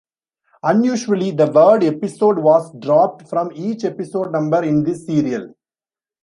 Unusually, the word "episode" was dropped from each episode number in this serial.